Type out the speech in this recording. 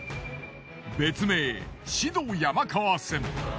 別名志度山川線。